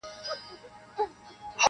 که پتنګ یې معسوقه شمع شیدا وي-